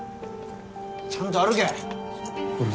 ちゃんと歩けほら！